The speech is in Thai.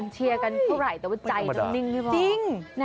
จริง